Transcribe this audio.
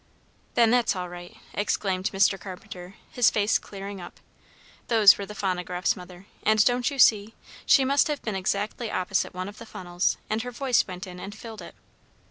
"Then that's all right!" exclaimed Mr. Carpenter, his face clearing up. "Those were the phonographs, Mother, and, don't you see, she must have been exactly opposite one of the funnels, and her voice went in and filled it.